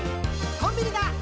「コンビニだ！